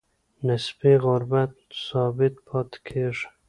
نسبي غربت ثابت پاتې کیږي.